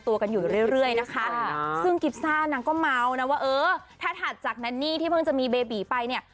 ตัวกันอยู่เรื่อยนะคะซึ่งกิฟซ่านางก็เมานะว่าเออถ้าถัดจากแนนนี่ที่เพิ่งจะมีเบบีไปเนี่ย